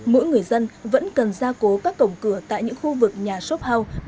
mỗi người dân vẫn cần ra cố các cổng cửa tại những khu vực nhà shop house